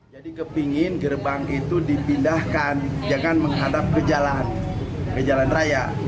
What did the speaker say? jadi kepingin gerbang itu dipindahkan jangan menghadap ke jalan ke jalan raya